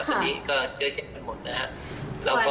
ตอนนี้ก็เจอเจ็บกันหมดนะครับ